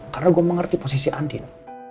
karena gue mengerti posisi andin